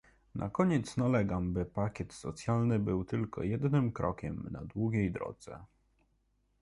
Na koniec nalegam, by pakiet socjalny był tylko jednym krokiem na długiej drodze